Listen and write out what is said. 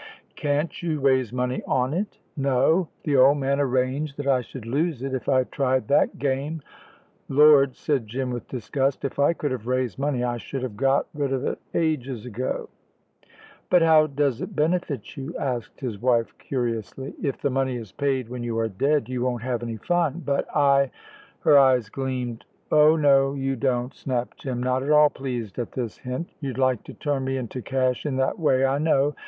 "Can't you raise money on it?" "No; the old man arranged that I should lose it if I tried that game. Lord," said Jim, with disgust, "if I could have raised money I should have got rid of it, ages ago." "But how does it benefit you?" asked his wife, curiously; "if the money is paid when you are dead, you won't have any fun. But I" her eyes gleamed. "Oh no, you don't," snapped Jim, not at all pleased at this hint; "you'd like to turn me into cash in that way, I know.